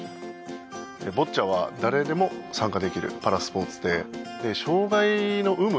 ボッチャは誰でも参加できるパラスポーツで障がいの有無